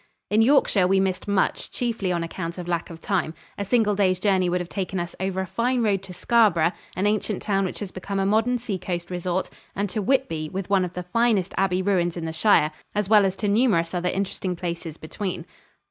In Yorkshire we missed much, chiefly on account of lack of time. A single day's journey would have taken us over a fine road to Scarborough, an ancient town which has become a modern seacoast resort, and to Whitby, with one of the finest abbey ruins in the shire, as well as to numerous other interesting places between.